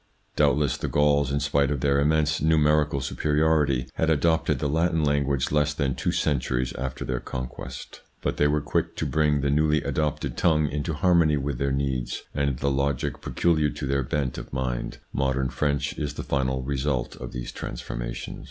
Doubtless the Gauls, in spite of their immense numerical superiority, had adopted the Latin language less than two centuries after their conquest, 92 THE PSYCHOLOGY OF PEOPLES: but they were quick to bring the newly adopted tongue into harmony with their needs, and the logic peculiar to their bent of mind. Modern French is the final result of these transformations.